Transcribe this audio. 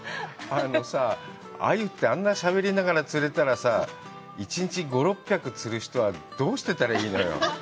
あのさ、鮎ってあんなしゃべりながら釣れたらさ、１日５００６００、釣る人はどうしたらいいのよ。